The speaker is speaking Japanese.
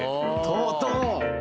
とうとう。